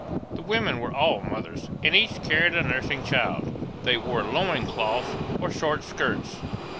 The women were all mothers, and each carried a nursing child. They wore loin cloths or short skirts.